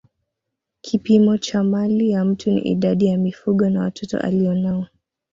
Kipimo cha mali ya mtu ni idadi ya mifugo na watoto alionao